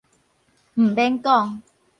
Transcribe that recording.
毋免講